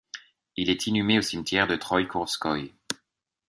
Il est inhumé au Cimetière Troïekourovskoïe.